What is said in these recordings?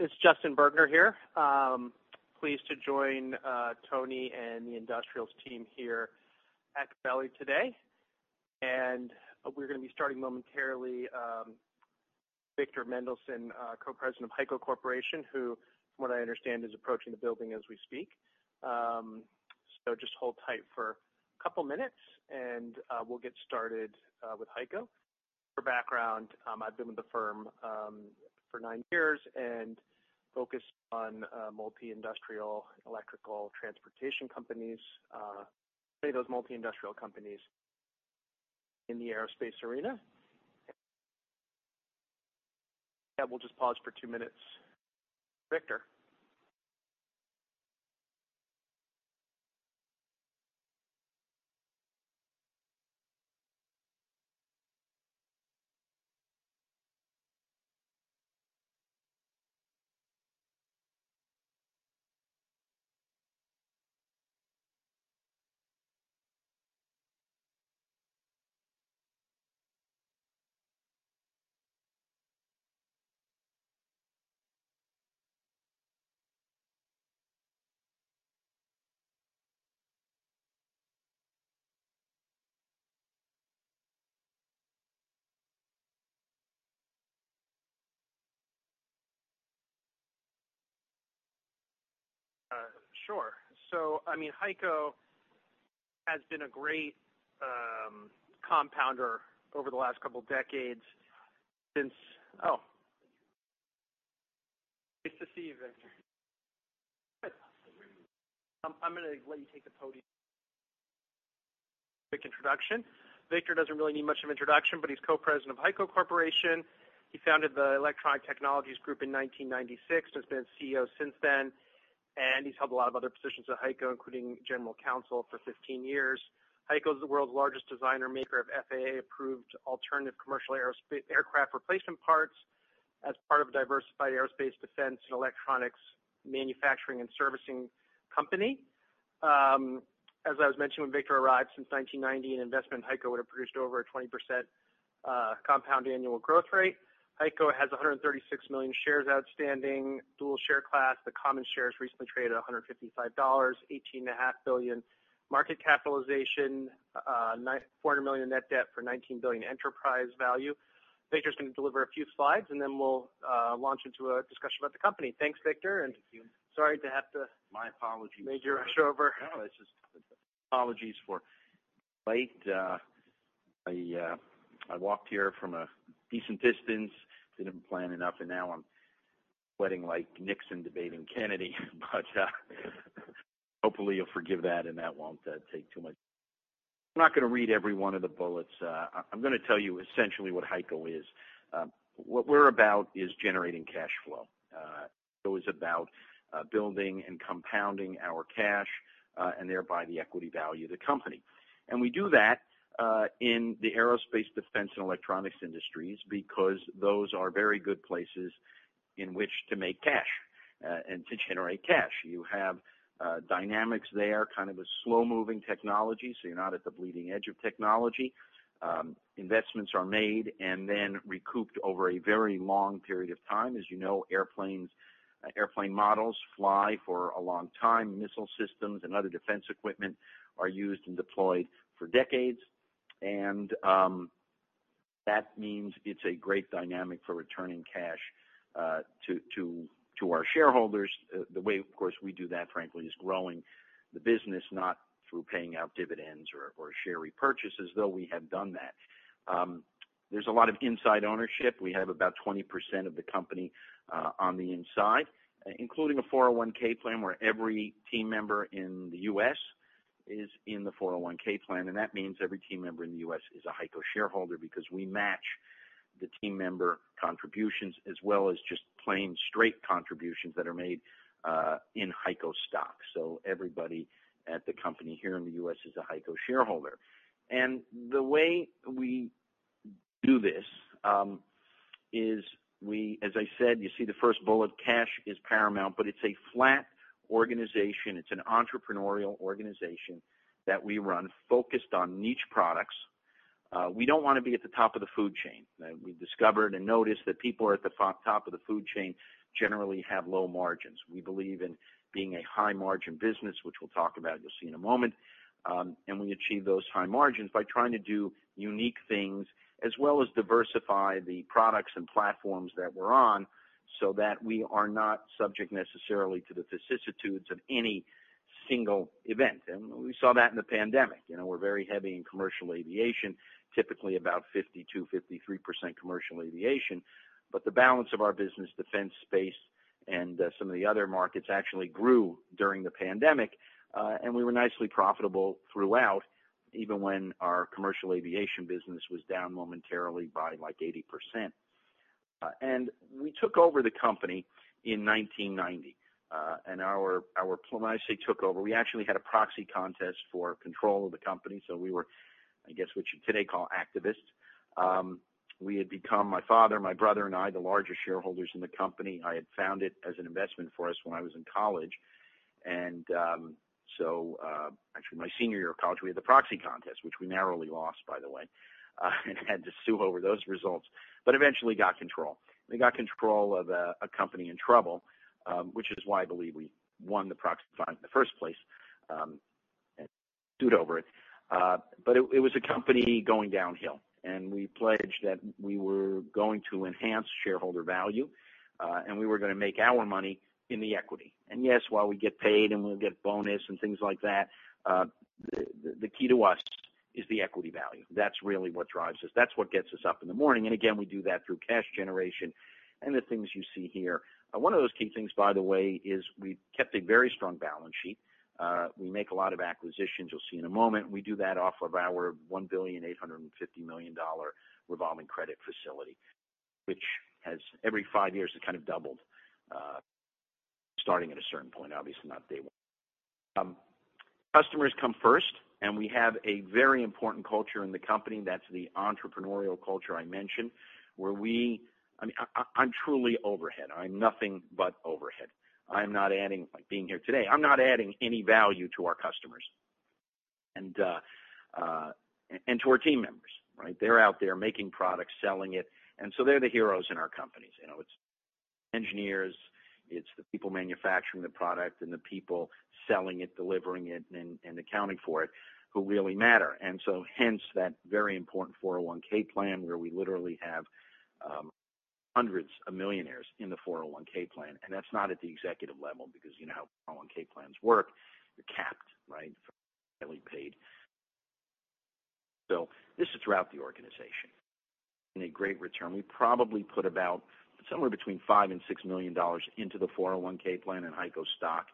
It's Justin Bergner here. Pleased to join Tony and the industrials team here at Gabelli today. We're going to be starting momentarily Victor Mendelson Co-President of HEICO Corporation who from what I understand is approaching the building as we speak. Just hold tight for a couple minutes and we'll get started with HEICO. For background, I've been with the firm for nine years and focused on multi-industrial electrical transportation companies mainly those multi-industrial companies in the aerospace arena. Yeah, we'll just pause for two minutes. Victor. Sure. I mean, HEICO has been a great compounder over the last couple decades since. Nice to see you, Victor. Good. I'm going to let you take the podium. Quick introduction. Victor doesn't really need much of an introduction, but he's Co-President of HEICO Corporation. He founded the Electronic Technologies Group in 1996, has been CEO since then, and he's held a lot of other positions at HEICO, including General Counsel for 15 years. HEICO is the world's largest designer maker of FAA-approved alternative commercial aerospace aircraft replacement parts as part of a diversified aerospace defense and electronics manufacturing and servicing company. As I was mentioning when Victor arrived, since 1990, an investment in HEICO would have produced over a 20% compound annual growth rate. HEICO has 136 million shares outstanding, dual share class. The common shares recently traded at $155, $18.5 billion market capitalization, $400 million net debt for $19 billion enterprise value. Victor's going to deliver a few slides, and then we'll launch into a discussion about the company. Thanks, Victor. Thank you. And sorry to have. My apologies. Made you rush over. No, it's just apologies for late. I walked here from a decent distance. Didn't plan enough, and now I'm sweating like Nixon debating Kennedy. Hopefully you'll forgive that and that won't take too much. I'm not going to read every one of the bullets. I'm going to tell you essentially what HEICO is. What we're about is generating cash flow. It's about building and compounding our cash, and thereby the equity value of the company. We do that in the aerospace defense and electronics industries because those are very good places in which to make cash and to generate cash. You have dynamics there, kind of a slow-moving technology, so you're not at the bleeding edge of technology. Investments are made and then recouped over a very long period of time. As airplane models fly for a long time. Missile systems and other defense equipment are used and deployed for decades. That means it's a great dynamic for returning cash to our shareholders. The way, of course, we do that, frankly, is growing the business, not through paying out dividends or share repurchases, though we have done that. There's a lot of inside ownership. We have about 20% of the company on the inside, including a 401(k) plan where every team member in the U.S. is in the 401(k) plan. That means every team member in the U.S. is a HEICO shareholder because we match the team member contributions as well as just plain straight contributions that are made in HEICO stock. Everybody at the company here in the U.S. is a HEICO shareholder. The way we do this is, as I said, you see the first bullet, cash is paramount, but it's a flat organization. It's an entrepreneurial organization that we run focused on niche products. We don't want to be at the top of the food chain. We've discovered and noticed that people at the top of the food chain generally have low margins. We believe in being a high-margin business, which we'll talk about, you'll see in a moment. We achieve those high margins by trying to do unique things as well as diversify the products and platforms that we're on so that we are not subject necessarily to the vicissitudes of any single event. We saw that in the pandemic. We're very heavy in commercial aviation, typically about 52%-53% commercial aviation. The balance of our business, defense, space, and some of the other markets actually grew during the pandemic. We were nicely profitable throughout, even when our commercial aviation business was down momentarily by, like, 80%. We took over the company in 1990. I say took over. We actually had a proxy contest for control of the company, so we were, I guess, what you today call activists. We had become, my father, my brother, and I, the largest shareholders in the company. I had found it as an investment for us when I was in college. Actually my senior year of college, we had the proxy contest, which we narrowly lost, by the way. Had to sue over those results, but eventually got control. We got control of a company in trouble, which is why I believe we won the proxy fight in the first place, and stood over it. It was a company going downhill, and we pledged that we were going to enhance shareholder value, and we were going to make our money in the equity. Yes, while we get paid and we'll get bonus and things like that, the key to us is the equity value. That's really what drives us. That's what gets us up in the morning. Again, we do that through cash generation and the things you see here. One of those key things, by the way, is we've kept a very strong balance sheet. We make a lot of acquisitions, you'll see in a moment. We do that off of our $1.85 billion revolving credit facility, which has every 5 years, it kind of doubled, starting at a certain point, obviously not day one. Customers come first, and we have a very important culture in the company. That's the entrepreneurial culture I mentioned, where I'm truly overhead. I'm nothing but overhead. I'm not adding, like being here today, I'm not adding any value to our customers and to our team members, right? They're out there making products, selling it, and so they're the heroes in our companies. It's engineers, it's the people manufacturing the product, and the people selling it, delivering it, and accounting for it who really matter. So hence that very important 401(k) plan, where we literally have hundreds of millionaires in the 401(k) plan. That's not at the executive level because you know how 401(k) plans work. They're capped, right? Highly paid. This is throughout the organization. In a great return. We probably put about somewhere between $5 million and $6 million into the 401(k) plan in HEICO stock,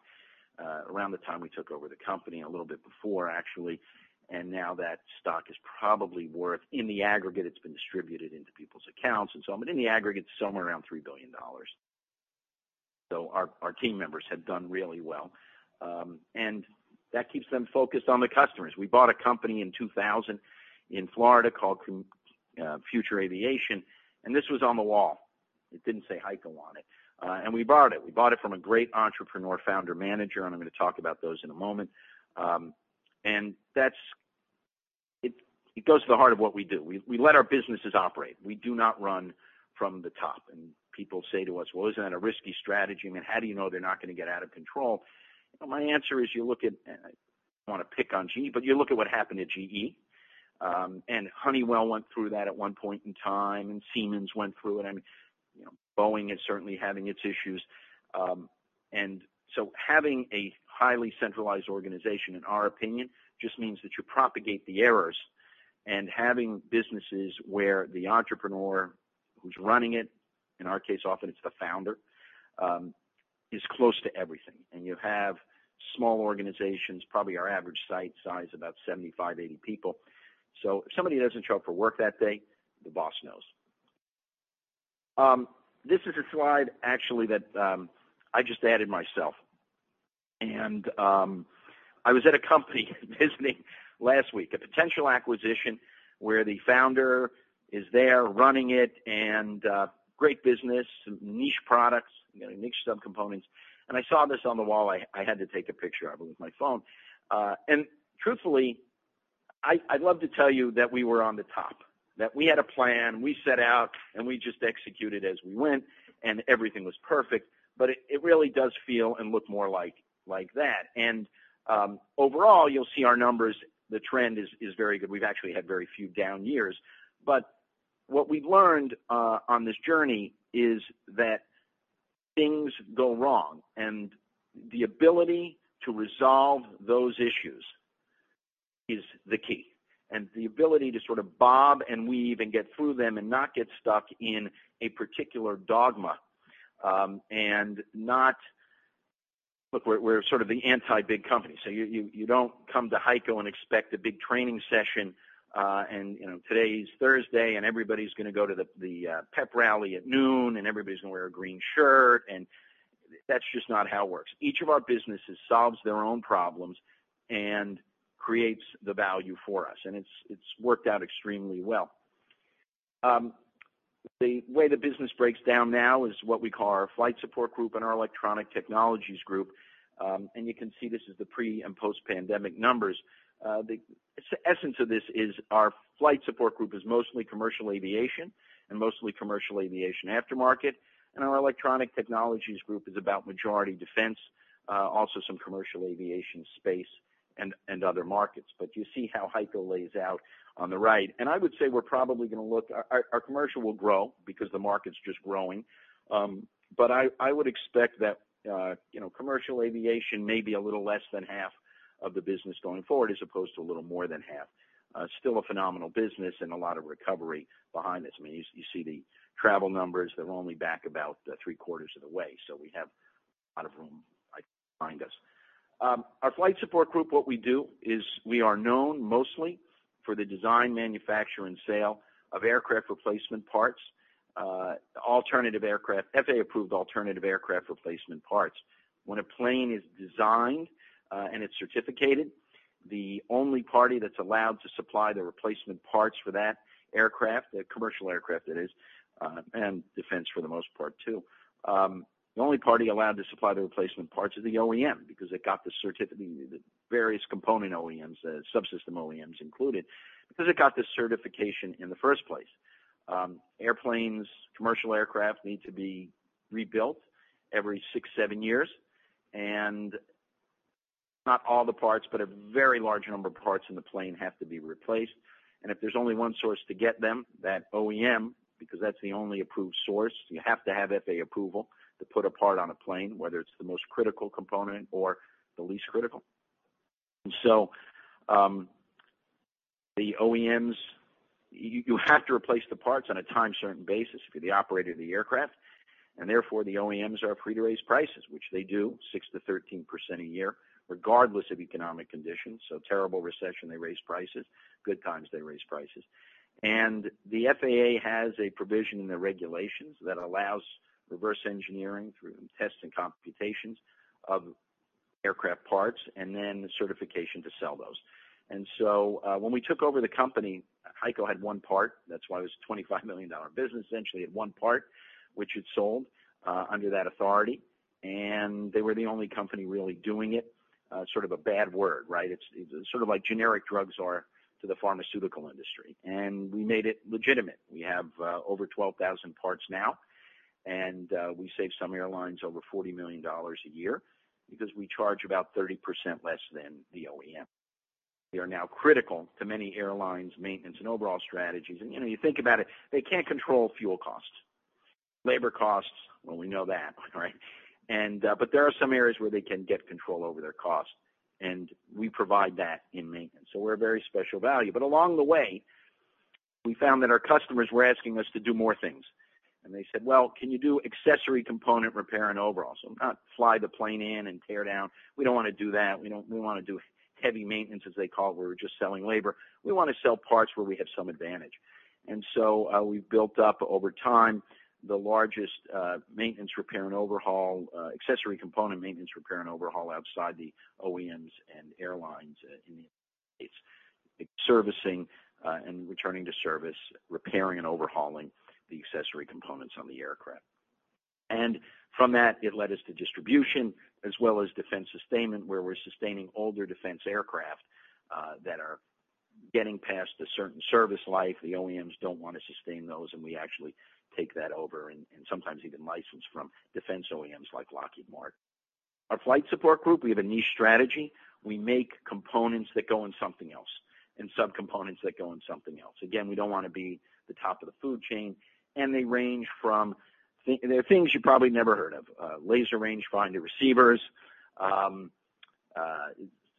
around the time we took over the company, a little bit before actually. Now that stock is probably worth, in the aggregate, it's been distributed into people's accounts. In the aggregate, somewhere around $3 billion. Our team members have done really well, and that keeps them focused on the customers. We bought a company in 2000 in Florida called Future Aviation, and this was on the wall. It didn't say HEICO on it. We bought it. We bought it from a great entrepreneur, founder, manager, and I'm going to talk about those in a moment. That's it. It goes to the heart of what we do. We let our businesses operate. We do not run from the top. People say to us, "Well, isn't that a risky strategy? I mean, how do you know they're not going to get out of control?" My answer is, you look at, I don't want to pick on GE, but you look at what happened at GE. Honeywell went through that at one point in time, and Siemens went through it. I mean Boeing is certainly having its issues. Having a highly centralized organization, in our opinion, just means that you propagate the errors. Having businesses where the entrepreneur who's running it, in our case, often it's the founder, is close to everything. You have small organizations. Probably our average site size, about 75, 80 people. If somebody doesn't show up for work that day, the boss knows. This is a slide actually that I just added myself. I was at a company visiting last week, a potential acquisition where the founder is there running it and great business, niche products niche subcomponents. I saw this on the wall. I had to take a picture of it with my phone. Truthfully, I'd love to tell you that we were on the top, that we had a plan, we set out, and we just executed as we went, and everything was perfect. It really does feel and look more like that. Overall, you'll see our numbers. The trend is very good. We've actually had very few down years. What we've learned on this journey is that things go wrong, and the ability to resolve those issues is the key. The ability to sort of bob and weave and get through them and not get stuck in a particular dogma. Look, we're sort of the anti-big company. You don't come to HEICO and expect a big training session, and today is Thursday, and everybody's going to go to the pep rally at noon, and everybody's going to wear a green shirt. That's just not how it works. Each of our businesses solves their own problems and creates the value for us, and it's worked out extremely well. The way the business breaks down now is what we call our Flight Support Group and our Electronic Technologies Group. You can see this is the pre and post-pandemic numbers. The essence of this is our Flight Support Group is mostly commercial aviation and mostly commercial aviation aftermarket. Our Electronic Technologies Group is about majority defense, also some commercial aviation space and other markets. You see how HEICO lays out on the right. I would say our commercial will grow because the market's just growing. I would expect that commercial aviation may be a little less than half of the business going forward as opposed to a little more than half. Still a phenomenal business and a lot of recovery behind this. I mean, you see the travel numbers. They're only back about three-quarters of the way. We have a lot of room, I think, behind us. Our Flight Support Group, what we do is we are known mostly for the design, manufacture, and sale of aircraft replacement parts, FAA-approved alternative aircraft replacement parts. When a plane is designed and it's certificated. The only party that's allowed to supply the replacement parts for that aircraft, the commercial aircraft that is, and defense for the most part too. The only party allowed to supply the replacement parts is the OEM because it got the various component OEMs, the subsystem OEMs included, because it got the certification in the first place. Airplanes, commercial aircraft need to be rebuilt every 6-7 years. Not all the parts, but a very large number of parts in the plane have to be replaced. If there's only one source to get them, that OEM, because that's the only approved source, you have to have FAA approval to put a part on a plane, whether it's the most critical component or the least critical. The OEMs, you have to replace the parts on a time-certain basis for the operator of the aircraft, and therefore the OEMs are free to raise prices, which they do 6%-13% a year regardless of economic conditions. Terrible recession, they raise prices. Good times, they raise prices. The FAA has a provision in their regulations that allows reverse engineering through tests and computations of aircraft parts and then the certification to sell those. When we took over the company, HEICO had one part. That's why it was a $25 million business, essentially at one part, which it sold under that authority. They were the only company really doing it. Sort of a bad word, right? It's sort of like generic drugs are to the pharmaceutical industry. We made it legitimate. We have over 12,000 parts now, and we save some airlines over $40 million a year because we charge about 30% less than the OEM. We are now critical to many airlines' maintenance and overall strategies. You think about it, they can't control fuel costs, labor costs. Well, we know that, right? But there are some areas where they can get control over their costs, and we provide that in maintenance. We're a very special value. Along the way, we found that our customers were asking us to do more things. They said, "Well, can you do accessory component repair and overhaul?" Not fly the plane in and tear down. We don't want to do that. We want to do heavy maintenance, as they call it, where we're just selling labor. We want to sell parts where we have some advantage. We've built up over time the largest maintenance repair and overhaul accessory component maintenance repair and overhaul outside the OEMs and airlines in the United States. Servicing and returning to service, repairing and overhauling the accessory components on the aircraft. From that, it led us to distribution as well as defense sustainment, where we're sustaining older defense aircraft that are getting past a certain service life. The OEMs don't want to sustain those, and we actually take that over and sometimes even license from defense OEMs like Lockheed Martin. Our Flight Support Group, we have a niche strategy. We make components that go in something else and subcomponents that go in something else. Again, we don't want to be the top of the food chain. They range from things you probably never heard of, laser rangefinder receivers,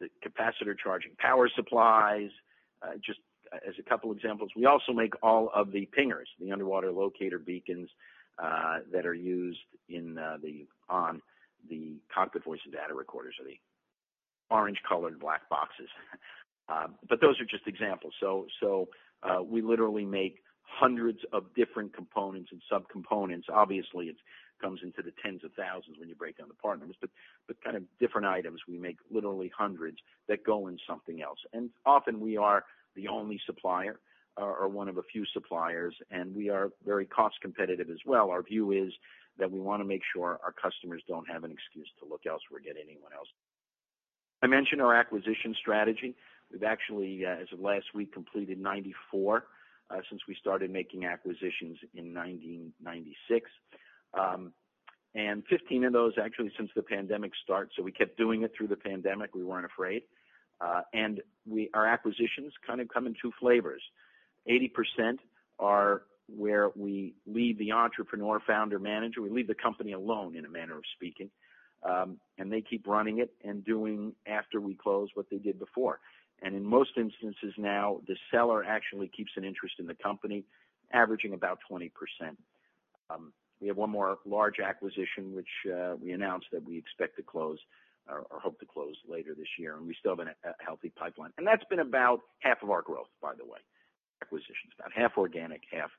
the capacitor charging power supplies, just as a couple examples. We also make all of the pingers, the underwater locator beacons, that are used on the cockpit voice and data recorders or the orange-colored black boxes. Those are just examples. We literally make hundreds of different components and subcomponents. Obviously, it comes into the tens of thousands when you break down the part numbers. Kind of different items, we make literally hundreds that go in something else. Often we are the only supplier or one of a few suppliers, and we are very cost competitive as well. Our view is that we want to make sure our customers don't have an excuse to look elsewhere, get anyone else. I mentioned our acquisition strategy. We've actually, as of last week, completed 94 since we started making acquisitions in 1996. 15 of those actually since the pandemic start. We kept doing it through the pandemic. We weren't afraid. Our acquisitions kind of come in two flavors. 80% are where we leave the entrepreneur, founder, manager. We leave the company alone in a manner of speaking, and they keep running it and doing after we close what they did before. In most instances now, the seller actually keeps an interest in the company, averaging about 20%. We have one more large acquisition, which we announced that we expect to close or hope to close later this year, and we still have a healthy pipeline. That's been about half of our growth, by the way, acquisitions. About half organic, half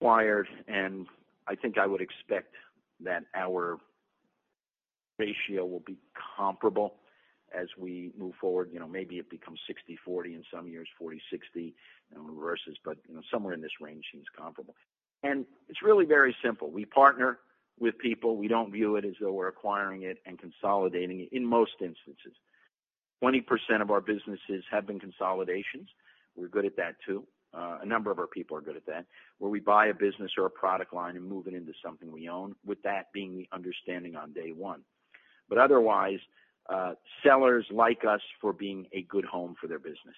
acquired, and I think I would expect that our ratio will be comparable as we move forward. Maybe it becomes 60/40, in some years 40/60, and it reverses, but somewhere in this range seems comparable. It's really very simple. We partner with people. We don't view it as though we're acquiring it and consolidating it, in most instances. 20% of our businesses have been consolidations. We're good at that too. A number of our people are good at that, where we buy a business or a product line and move it into something we own, with that being the understanding on day one. Otherwise, sellers like us for being a good home for their business,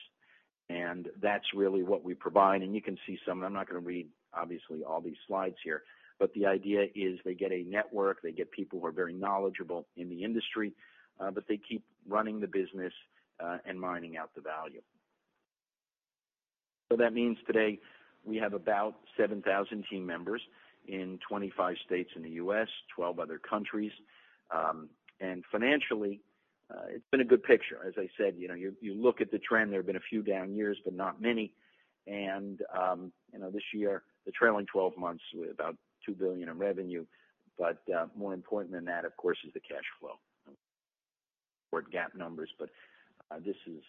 and that's really what we provide. You can see. I'm not going to read, obviously, all these slides here, but the idea is they get a network. They get people who are very knowledgeable in the industry, but they keep running the business, and mining out the value. That means today we have about 7,000 team members in 25 states in the US, 12 other countries, and financially, it's been a good picture. As I said you look at the trend, there have been a few down years, but not many. This year, the trailing twelve months with about $2 billion in revenue. More important than that, of course, is the cash flow. These are GAAP numbers, but this is,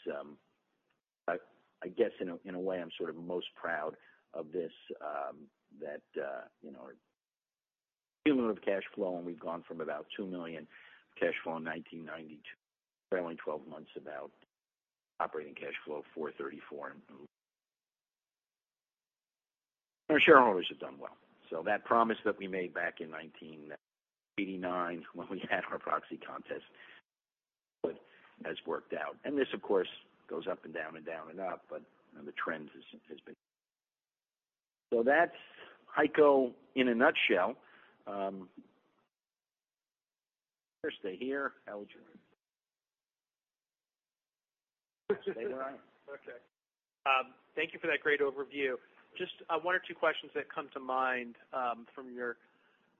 I guess in a way, I'm sort of most proud of this dealing with cash flow, and we've gone from about $2 million cash flow in 1992. Trailing twelve months, about operating cash flow, $434. Our shareholders have done well. That promise that we made back in 1989 when we had our proxy contest has worked out. This, of course, goes up and down and down and up, but the trend has been. That's HEICO in a nutshell. Stay where I am. Okay. Thank you for that great overview. Just, one or two questions that come to mind, from your,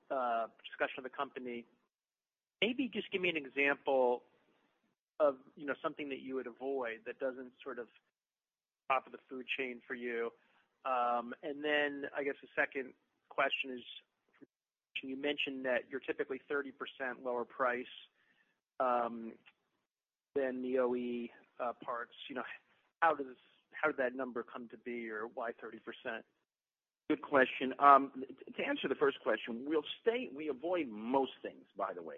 discussion of the company. Maybe just give me an example of something that you would avoid that doesn't sort of top of the food chain for you. And then I guess the second question is, you mentioned that you're typically 30% lower price, than the OEM parts. How did that number come to be, or why 30%? Good question. To answer the first question, we avoid most things, by the way.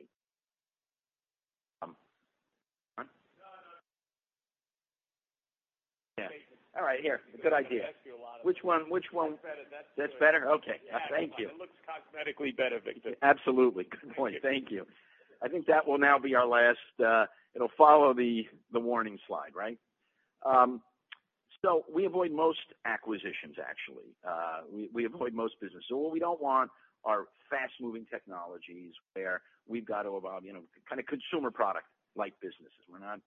All right. Here, good idea. Ask you a lot of. Which one? That's better. That's good. That's better? Okay. Thank you. It looks cosmetically better, Victor. Absolutely. Good point. Thank you. I think that will now be our last. It'll follow the warning slide, right? We avoid most acquisitions, actually. We avoid most business. What we don't want are fast moving technologies where we've got to evolve kind of consumer product like businesses. We're not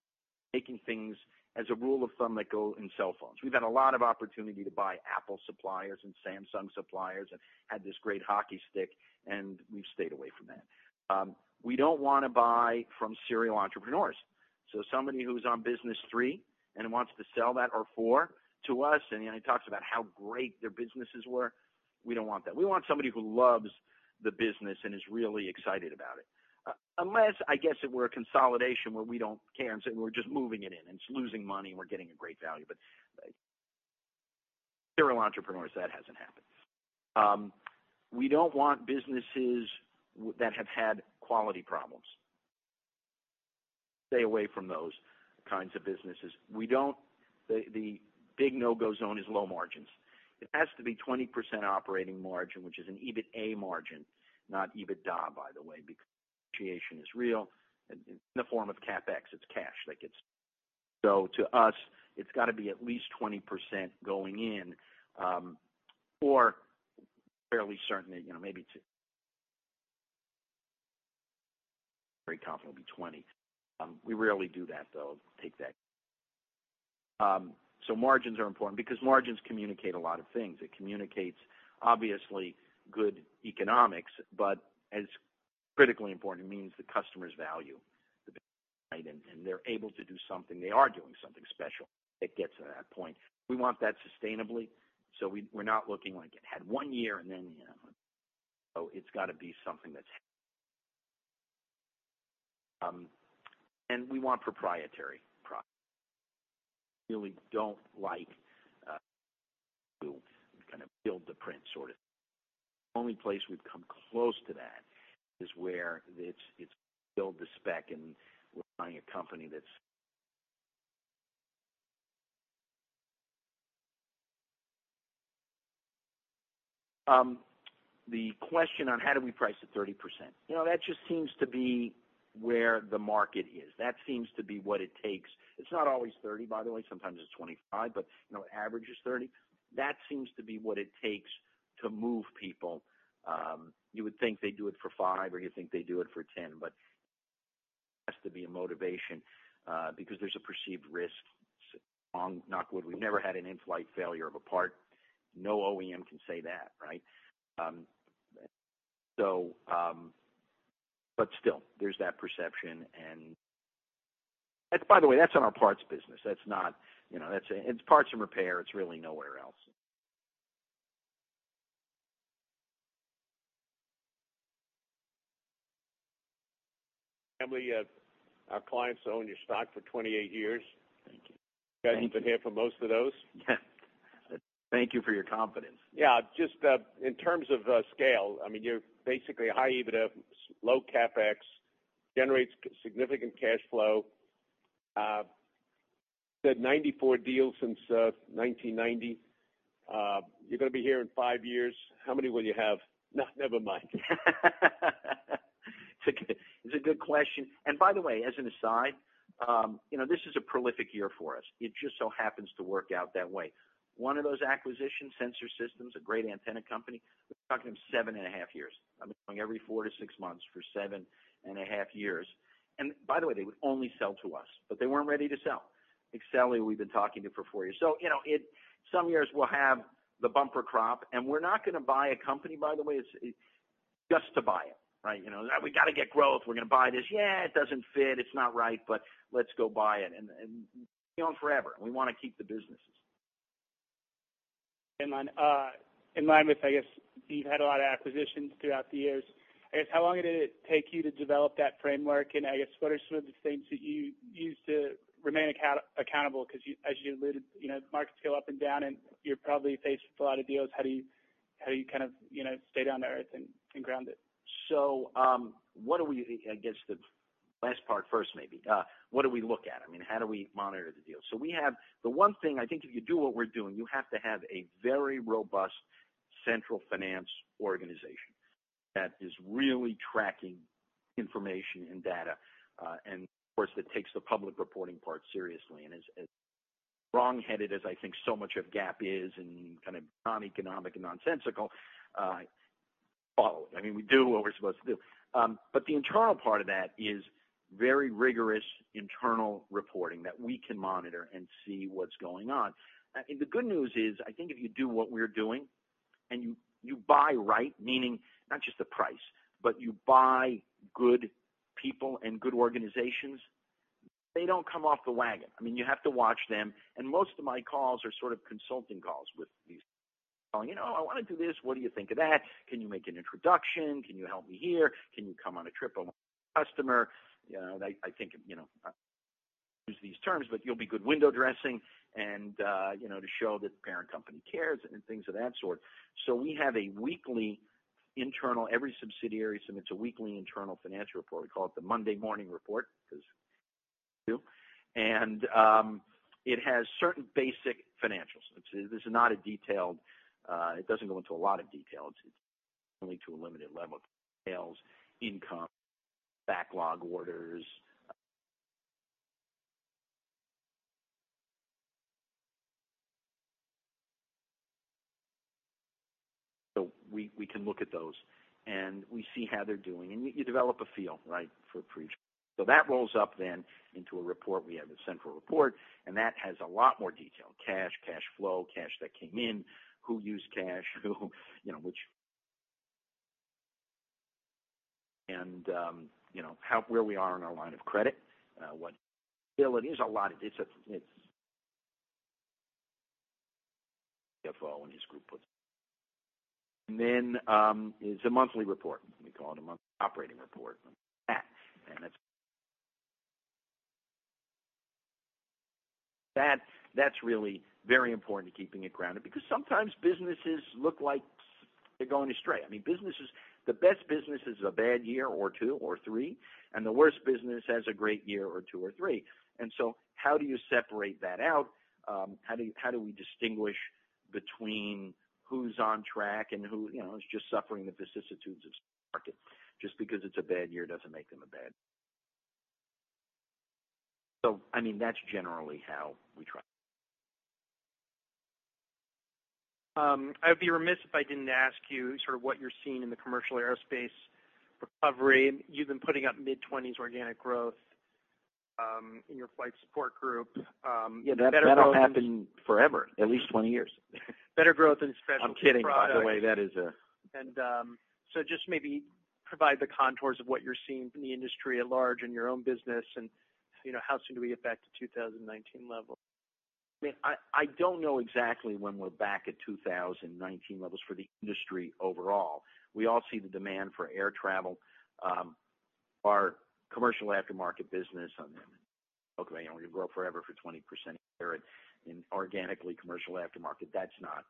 making things as a rule of thumb that go in cell phones. We've had a lot of opportunity to buy Apple suppliers and Samsung suppliers and had this great hockey stick, and we've stayed away from that. We don't want to buy from serial entrepreneurs. Somebody who's on business three and wants to sell that or four to us, and he talks about how great their businesses were, we don't want that. We want somebody who loves the business and is really excited about it. Unless I guess if we're a consolidation where we don't care and say we're just moving it in and it's losing money, and we're getting a great value. Serial entrepreneurs, that hasn't happened. We don't want businesses that have had quality problems. Stay away from those kinds of businesses. The big no-go zone is low margins. It has to be 20% operating margin, which is an EBITA margin, not EBITDA, by the way, because depreciation is real in the form of CapEx, it's cash that gets. To us, it's got to be at least 20% going in, or fairly certain that maybe it's a very confident be 20. We rarely do that, though, take that. Margins are important because margins communicate a lot of things. It communicates, obviously, good economics, but as critically important, it means the customers value the business, right? They're able to do something. They are doing something special that gets to that point. We want that sustainably. We're not looking like it had one year and then, you know. It's got to be something that's. We want proprietary products. Really don't like to kind of build to print sort of. Only place we've come close to that is where it's build to spec, and we're buying a company that's. The question on how do we price at 30%. That just seems to be where the market is. That seems to be what it takes. It's not always 30, by the way. Sometimes it's 25, but average is 30. That seems to be what it takes to move people. You would think they do it for 5%, or you think they do it for 10%, but it has to be a motivation, because there's a perceived risk. Knock on wood. We've never had an in-flight failure of a part. No OEM can say that, right? So, but still there's that perception. That's by the way, that's on our parts business. That's not it's parts and repair. It's really nowhere else. Emily, our clients own your stock for 28 years. Thank you. You've been here for most of those. Thank you for your confidence. Yeah, just in terms of scale, I mean, you're basically high EBITDA, low CapEx, generates significant cash flow. Said 94 deals since 1990. You're going to be here in 5 years. How many will you have? No, never mind. It's a good question. By the way, as an aside this is a prolific year for us. It just so happens to work out that way. One of those acquisitions, Sensor Systems, a great antenna company. We're talking 7.5 years. I've been going every 4-6 months for 7.5 years. By the way, they would only sell to us, but they weren't ready to sell. Exxelia, we've been talking to for four years. Some years we'll have the bumper crop, and we're not going to buy a company by the way, it's just to buy it, right? We got to get growth. We're going to buy this. Yeah, it doesn't fit. It's not right, but let's go buy it. And be on forever. We want to keep the businesses. In line with, I guess, you've had a lot of acquisitions throughout the years. I guess, how long did it take you to develop that framework? I guess, what are some of the things that you use to remain accountable? Because you, as you alluded markets go up and down, and you're probably faced with a lot of deals. How do you kind of stay down to earth and grounded? I guess the last part first, maybe. What do we look at? I mean, how do we monitor the deal? We have the one thing. I think if you do what we're doing, you have to have a very robust central finance organization that is really tracking information and data. Of course, it takes the public reporting part seriously. As wrong-headed as I think so much of GAAP is and kind of non-economic and nonsensical, follow it. I mean, we do what we're supposed to do. But the internal part of that is very rigorous internal reporting that we can monitor and see what's going on. The good news is, I think if you do what we're doing and you buy right, meaning not just the price, but you buy good people and good organizations, they don't come off the wagon. I mean, you have to watch them. Most of my calls are sort of consulting calls with these "I want to do this. What do you think of that? Can you make an introduction? Can you help me here? Can you come on a trip with my customer?" they, I think use these terms, but you'll be good window dressing and to show that the parent company cares and things of that sort. We have a weekly internal financial report. Every subsidiary submits a weekly internal financial report. We call it the Monday Morning Report because we do. It has certain basic financials. This is not detailed. It doesn't go into a lot of details. It's only to a limited level of details, income, backlog orders. We can look at those, and we see how they're doing. You develop a feel, right, for the picture. That rolls up into a report. We have a central report, and that has a lot more detail. Cash flow, cash that came in, who used cash which. How, where we are in our line of credit, what bill it is, a lot of it. It's. CFO and his group put. It's a monthly report. We call it a monthly operating report. That's it. That's really very important to keeping it grounded because sometimes businesses look like they're going astray. I mean, businesses, the best businesses is a bad year or two or three, and the worst business has a great year or two or three. How do you separate that out? How do we distinguish between who's on track and who is just suffering the vicissitudes of market? Just because it's a bad year doesn't make them a bad. I mean, that's generally how we try. I'd be remiss if I didn't ask you sort of what you're seeing in the commercial aerospace recovery. You've been putting up mid-20s% organic growth in your Flight Support Group, better growth- Yeah, that'll happen forever, at least 20 years. Better growth in specialty products. I'm kidding, by the way. Just maybe provide the contours of what you're seeing from the industry at large in your own business. How soon do we get back to 2019 level? I mean, I don't know exactly when we're back at 2019 levels for the industry overall. We all see the demand for air travel. We've grown forever 20% a year organically commercial aftermarket. That's not.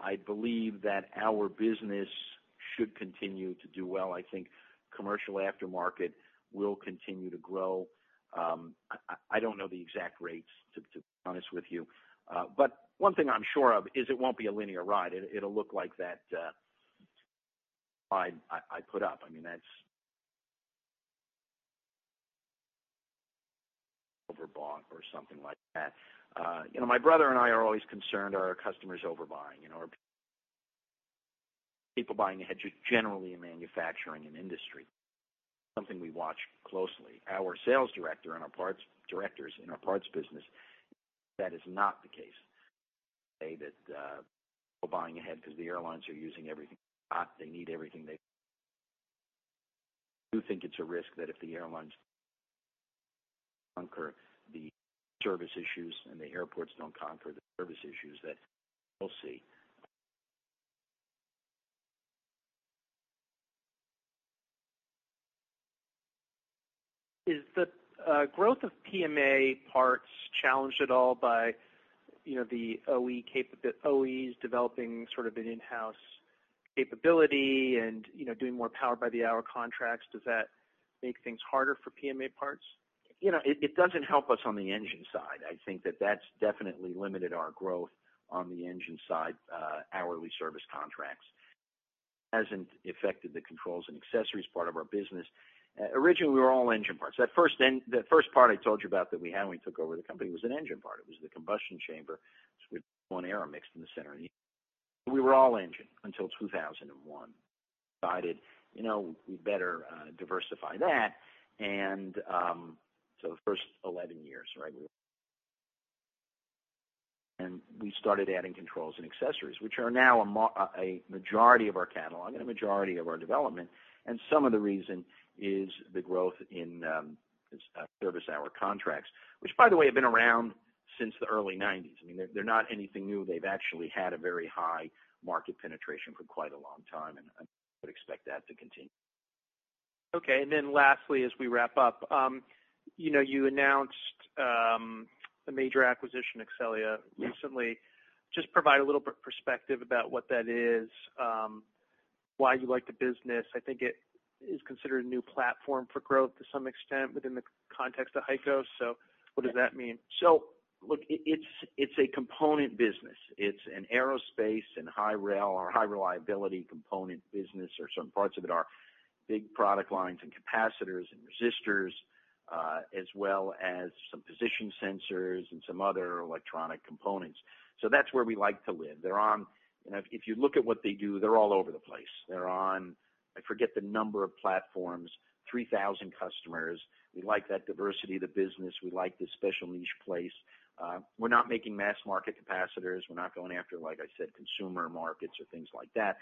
I believe that our business should continue to do well. I think commercial aftermarket will continue to grow. I don't know the exact rates, to be honest with you. One thing I'm sure of is it won't be a linear ride. It'll look like that slide I put up. I mean, that's overbought or something like that. My brother and I are always concerned, are our customers overbuying. Are people buying ahead, generally in manufacturing and industry. Something we watch closely. Our sales director and our parts directors in our parts business, that is not the case. Say that, we're buying ahead because the airlines are using everything. Don't think it's a risk that if the airlines conquer the service issues and the airports don't conquer the service issues, that we'll see. Is the growth of PMA parts challenged at all by the OEs developing sort of an in-house capability and doing more Power-by-the-Hour contracts? Does that make things harder for PMA parts? It doesn't help us on the engine side. I think that's definitely limited our growth on the engine side, hourly service contracts. Hasn't affected the controls and accessories part of our business. Originally, we were all engine parts. The first part I told you about that we had when we took over the company was an engine part. It was the combustion chamber with one air mixer in the center. We were all engine until 2001. decided we better diversify that. The first 11 years, right? We started adding controls and accessories, which are now a majority of our catalog and a majority of our development. Some of the reason is the growth in service hour contracts, which by the way have been around since the early 1990s. I mean, they're not anything new. They've actually had a very high market penetration for quite a long time, and I would expect that to continue. Okay. Lastly, as we wrap up you announced a major acquisition, Exxelia, recently. Just provide a little bit perspective about what that is, why you like the business. I think it is considered a new platform for growth to some extent within the context of HEICO. What does that mean? Look, it's a component business. It's an aerospace and hi-rel or high reliability component business, or some parts of it are big product lines and capacitors and resistors, as well as some position sensors and some other electronic components. That's where we like to live. They're on. If you look at what they do, they're all over the place. They're on, I forget the number of platforms, 3,000 customers. We like that diversity of the business. We like this special niche place. We're not making mass market capacitors. We're not going after, like I said, consumer markets or things like that,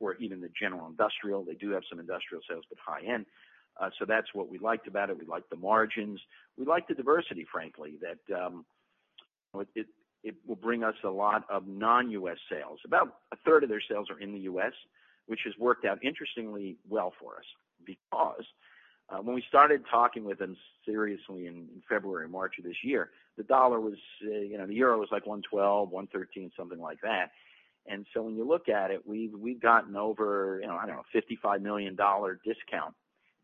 or even the general industrial. They do have some industrial sales, but high end. That's what we liked about it. We liked the margins. We liked the diversity, frankly, that it will bring us a lot of non-US sales. About a third of their sales are in the US, which has worked out interestingly well for us, because when we started talking with them seriously in February, March of this year, the dollar was the euro was like 1.12, 1.13, something like that. When you look at it, we've gotten over I don't know, $55 million discount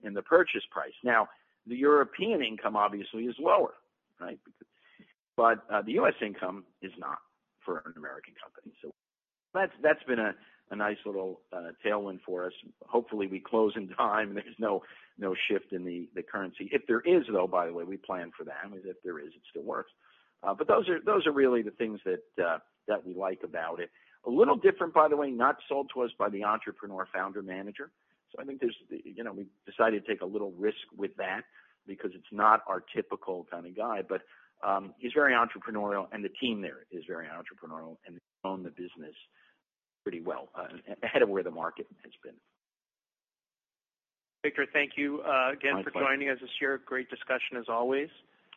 in the purchase price. Now, the European income obviously is lower, right? The US income is not for an American company. That's been a nice little tailwind for us. Hopefully, we close in time. There's no shift in the currency. If there is though, by the way, we plan for that. I mean, if there is, it still works. Those are really the things that we like about it. A little different, by the way, not sold to us by the entrepreneur founder manager. I think there's we decided to take a little risk with that because it's not our typical kind of guy. He's very entrepreneurial and the team there is very entrepreneurial and own the business pretty well, ahead of where the market has been. Victor, thank you again. My pleasure. For joining us this year. Great discussion as always.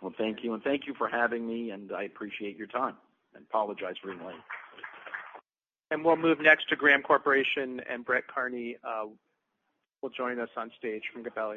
Well, thank you. Thank you for having me, and I appreciate your time, and apologize for being late. We'll move next to Graham Corporation, and Brett Kearney will join us on stage from Gabelli.